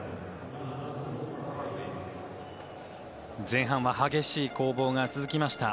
前半は激しい攻防が続きました。